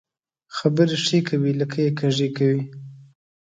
خبري ښې کوې ، لکۍ يې کږۍ کوې.